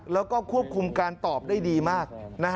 แล้วก็ควบคุมการตอบได้ดีมาก